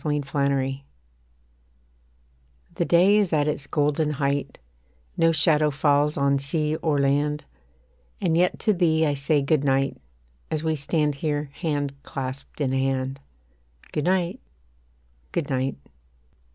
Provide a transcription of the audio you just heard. GOOD NIGHT The day is at its golden height, No shadow falls on sea or land; And yet to thee I say Good night, As we stand here hand clasped in hand, Good night Good night.